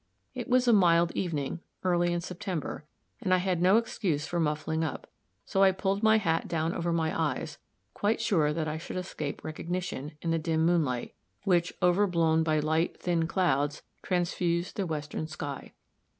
It was a mild evening, early in September, and I had no excuse for muffling up; so I pulled my hat down over my eyes, quite sure that I should escape recognition, in the dim moonlight, which, overblown by light, thin clouds, transfused the western sky.